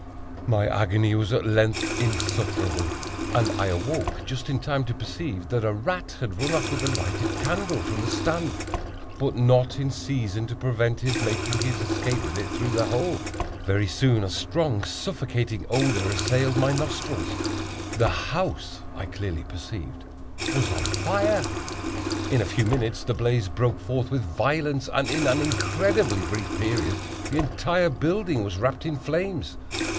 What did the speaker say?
My agony was at length insufferable, and I awoke just in time to perceive that a rat had ran off with the lighted candle from the stand, but not in season to prevent his making his escape with it through the hole. Very soon, a strong suffocating odor assailed my nostrils; the house, I clearly perceived, was on fire. In a few minutes the blaze broke forth with violence, and in an incredibly brief period the entire building was wrapped in flames.